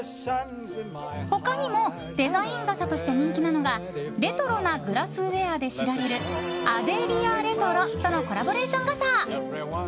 他にもデザイン傘として人気なのがレトロなグラスウェアで知られるアデリアレトロとのコラボレーション傘。